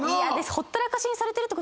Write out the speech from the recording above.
ほったらかしにされてる。